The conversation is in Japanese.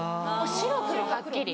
白黒はっきり。